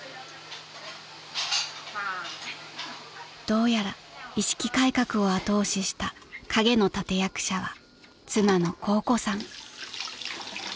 ［どうやら意識改革を後押しした陰の立役者は］